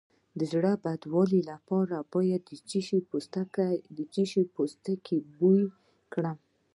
د زړه بدوالي لپاره باید د څه شي پوستکی بوی کړم؟